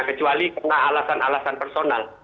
kecuali karena alasan alasan personal